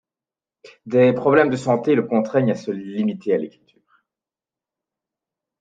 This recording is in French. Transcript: Des problèmes de santé le contraignent à se limiter à l’écriture.